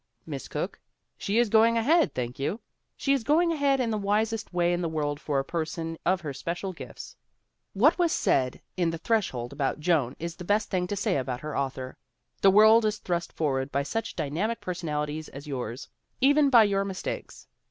Miss Cooke? She is going ahead, thank you! She is going ahead in the wisest way in the world for a person of her special gifts. What was said in The Threshold about Joan is the best thing to say about her author: "The world is thrust forward by such dy namic personalities as yours, even by your mistakes.